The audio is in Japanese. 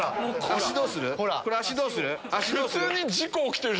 脚どうする？